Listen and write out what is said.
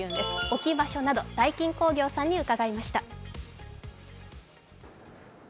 置き場所などダイキン工業さんにうかがいました。